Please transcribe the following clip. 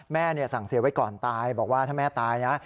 แม่สั่งเสียไว้ก่อนตายบอกว่าถ้าแม่ตายนะ